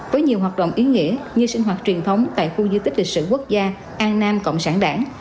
với nhiều hoạt động ý nghĩa như sinh hoạt truyền thống tại khu di tích lịch sử quốc gia an nam cộng sản đảng